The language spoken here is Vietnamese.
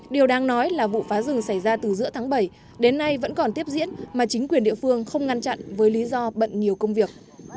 điều đáng nói là vụ phá rừng xảy ra từ giữa tháng bảy đến nay vẫn còn tiếp diễn mà chính quyền địa phương không ngăn chặn với lý do bận nhiều công việc